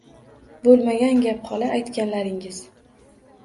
Bo’lmagan gap, xola, aytganlaringiz!